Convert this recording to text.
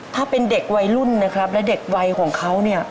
ถ้าเป็นเด็กวัยรุ่นนะครับและเด็กวัยของเขาเนี่ย